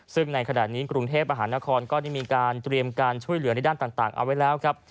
ซึ่งในขณะนี้กรุงเทพมหานครก็ได้มีการเตรียมการช่วยเหลือในด้านต่างเอาไว้แล้วครับ